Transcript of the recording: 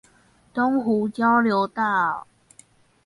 東湖交流道